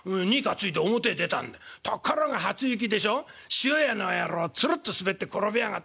塩屋の野郎ツルッと滑って転びやがってさ」。